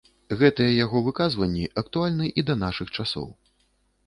Гэтыя яго выказванні актуальны і да нашых часоў.